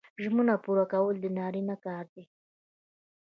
ژمنه پوره کول د نارینه کار دی